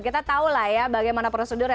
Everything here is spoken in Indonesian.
kita tahu lah ya bagaimana prosedurnya